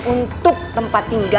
untuk tempat tinggal saya